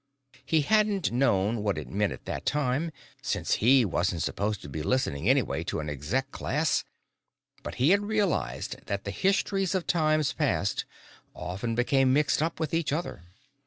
He hadn't known what it meant at the time, since he wasn't supposed to be listening, anyway, to an Exec class, but he had realized that the histories of times past often became mixed up with each other.)